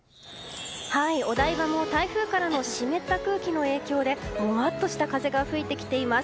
お台場も台風からの湿った空気の影響でもわっとした風が吹いてきています。